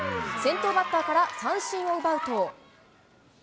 先頭バッターから三振を奪うと。